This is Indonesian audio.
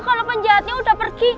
kalau penjahatnya udah pergi